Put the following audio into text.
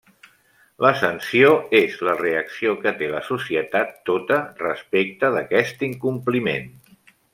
La sanció és la reacció que té la societat tota respecte d'aquest incompliment.